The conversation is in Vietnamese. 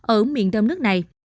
ở miền đông nước này